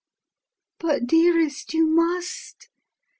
"But, dearest, you must.